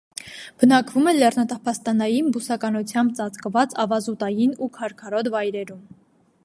Բնակվում է լեռնատափաստանային բուսականությամբ ծածկված ավազուտային ու քարքարոտ վայրերում։